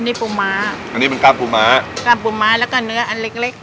นี่ปูม้าอันนี้เป็นกล้ามปูม้ากล้ามปูม้าแล้วก็เนื้ออันเล็กเล็ก